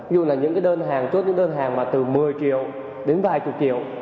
như là những cái đơn hàng chốt những đơn hàng mà từ một mươi triệu đến vài chục triệu